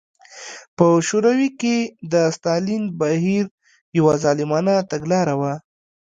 په شوروي کې د ستالین بهیر یوه ظالمانه تګلاره وه.